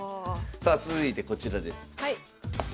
さあ続いてこちらです。